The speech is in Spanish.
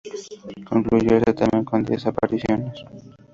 Concluyó el certamen con diez apariciones.